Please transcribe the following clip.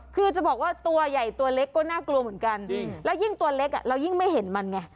คือจะบอกว่าตัวใหญ่ตัวเล็กก็น่ากลัวเหมือนกันแล้วยิ่งตัวเล็กเรายิ่งไม่เห็นมันไง